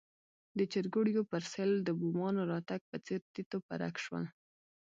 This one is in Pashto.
د چرګوړیو پر سېل د بومانو راتګ په څېر تیت و پرک شول.